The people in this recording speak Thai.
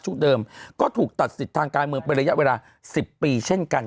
เดิมก็ถูกตัดสิทธิ์ทางการเมืองเป็นระยะเวลา๑๐ปีเช่นกัน